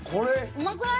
うまくない？